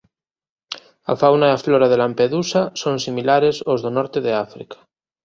A fauna e a flora de Lampedusa son similares aos do norte de África.